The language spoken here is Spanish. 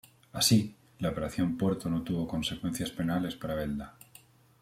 Así, la Operación Puerto no tuvo consecuencias penales para Belda.